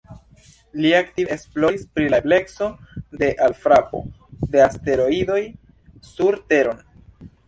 Li aktive esploris pri la ebleco de alfrapo de asteroidoj sur Teron.